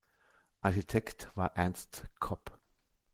Architekt war Ernst Kopp.